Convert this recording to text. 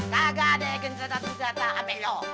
kagak deh gencatan gencatan abik lu